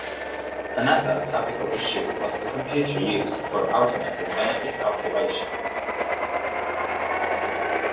Another topical issue was computer use for automated benefit calculations.